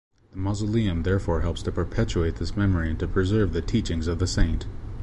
The mausoleum therefore helps to perpetuate this memory and to preserve the teachings of the saint.